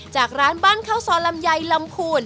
จากร้านบ้านข้าวซอลำไยลำพูน